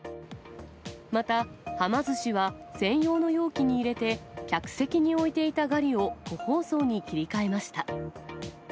また、はま寿司は専用の容器に入れて、客席に置いていたガリを個包装に切り替えました。